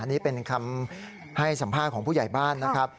นี่เป็นคำให้สัมภาษณ์ของผู้ใหญ่บ้านนะครับ